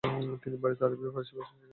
তিনি বাড়িতে আরবি ও ফারসি ভাষা শেখেন।